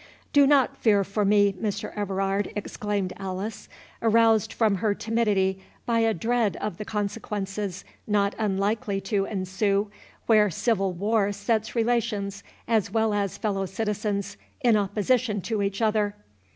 "Do not fear for me, Mr. Everard," exclaimed Alice, aroused from her timidity by a dread of the consequences not unlikely to ensue, where civil war sets relations, as well as fellow citizens, in opposition to each other.